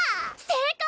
正解！？